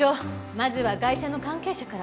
まずはガイシャの関係者から。